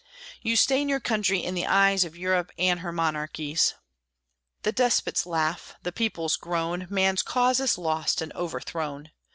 You stain your country in the eyes Of Europe and her monarchies! The despots laugh, the peoples groan; Man's cause is lost and overthrown!